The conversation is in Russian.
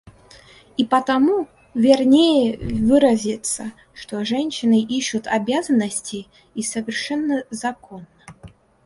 И потому вернее выразиться, что женщины ищут обязанностей, и совершенно законно.